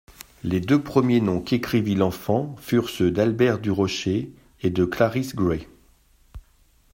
Les deux premiers noms qu'écrivit l'enfant furent ceux d'Albert du Rocher et de Clarice Gray.